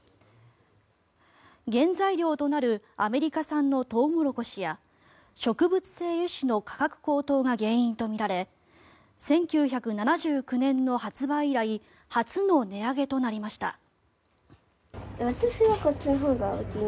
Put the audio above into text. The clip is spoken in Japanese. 原材料となるアメリカ産のトウモロコシや植物性油脂の価格高騰が原因とみられ１９７９年の発売以来初の値上げとなりました。